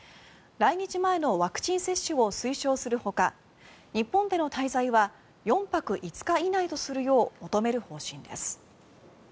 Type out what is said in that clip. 来日前のワクチン接種を推奨するほか日本での滞在は４泊５日以内とするよう求める方針です。